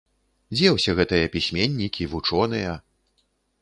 Дзе ўсе гэтыя пісьменнікі, вучоныя?